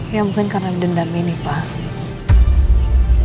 ya mungkin karena dendam ini pak